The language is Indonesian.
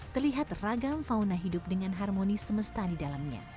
terlihat ragam fauna hidup dengan harmoni semesta di dalamnya